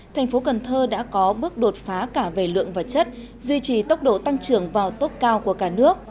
tp cnh đã có bước đột phá cả về lượng và chất duy trì tốc độ tăng trưởng vào tốc cao của cả nước